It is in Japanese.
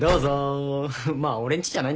まあ俺んちじゃないんだけどね。